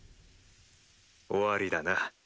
終わりだな。